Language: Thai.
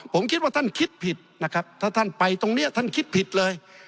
ผมคิดว่าท่านคิดผิดนะครับถ้าท่านไปตรงนี้ท่านคิดผิดเลย